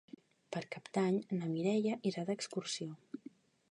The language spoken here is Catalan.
Per Cap d'Any na Mireia irà d'excursió.